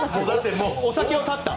お酒を断った？